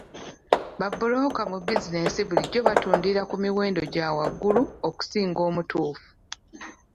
Ba bulooka mu bizinesi bulijjo batundira ku muwendo gwa waggulu okusinga omutuufu.